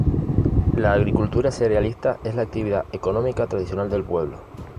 La agricultura cerealista es la actividad económica tradicional del pueblo.